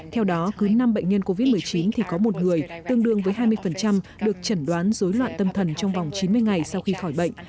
theo đó cứ năm bệnh nhân covid một mươi chín thì có một người tương đương với hai mươi được chẩn đoán dối loạn tâm thần trong vòng chín mươi ngày sau khi khỏi bệnh